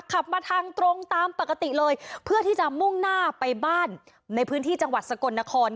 ขับมาทางตรงตามปกติเลยเพื่อที่จะมุ่งหน้าไปบ้านในพื้นที่จังหวัดสกลนคร